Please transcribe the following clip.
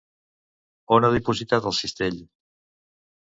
On ha dipositat el cistell?